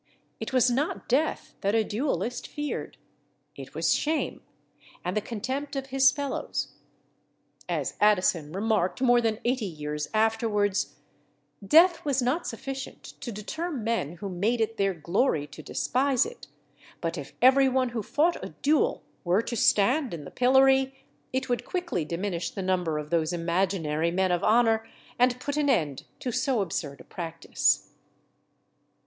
It was not death that a duellist feared; it was shame, and the contempt of his fellows. As Addison remarked more than eighty years afterwards, "Death was not sufficient to deter men who made it their glory to despise it; but if every one who fought a duel were to stand in the pillory, it would quickly diminish the number of those imaginary men of honour, and put an end to so absurd a practice."